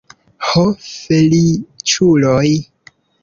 Ho, feliĉuloj!